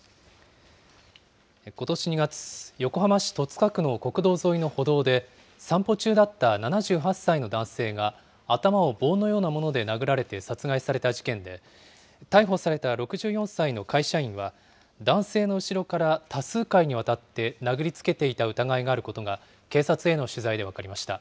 ことし２月、横浜市戸塚区の国道沿いの歩道で、散歩中だった７８歳の男性が、頭を棒のようなもので殴られて殺害された事件で、逮捕された６４歳の会社員は、男性の後ろから多数回にわたって殴りつけていた疑いがあることが、警察への取材で分かりました。